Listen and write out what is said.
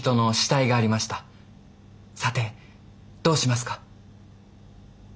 さてどうしますか？